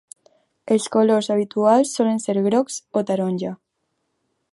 Els colors habituals solen ser grocs o taronja.